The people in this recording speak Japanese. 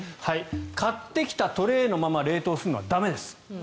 買ってきたトレイのまま冷凍するのは駄目です。